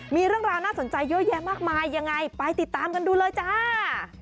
มีเรื่องราวน่าสนใจเยอะแยะมากมายยังไงไปติดตามกันดูเลยจ้า